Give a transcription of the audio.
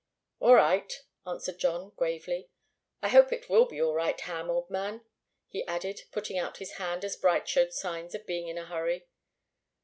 "All right," answered John, gravely. "I hope it will be all right, Ham, old man," he added, putting out his hand as Bright showed signs of being in a hurry.